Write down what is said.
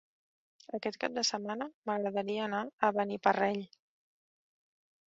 Aquest cap de setmana m'agradaria anar a Beniparrell.